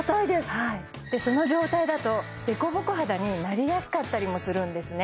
はいでその状態だとデコボコ肌になりやすかったりもするんですね